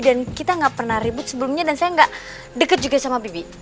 dan kita ga pernah ribut sebelumnya dan saya ga deket juga sama bibi